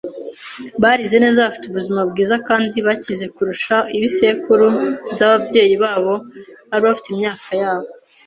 Barize neza, bafite ubuzima bwiza kandi bakize kurusha ibisekuru byababyeyi babo bari bafite imyaka yabo.